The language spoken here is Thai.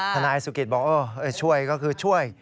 ทนายสุขิตบอกช่วยก็ช่วย